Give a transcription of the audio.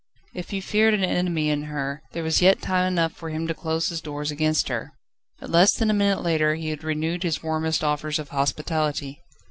If he feared an enemy in her, there was yet time enough for him to close his doors against her. But less than a minute later, he had renewed his warmest offers of hospitality.